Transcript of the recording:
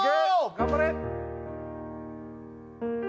頑張れ